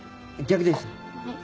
逆です。